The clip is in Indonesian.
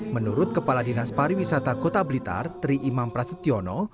menurut kepala dinas pariwisata kota blitar tri imam prasetyono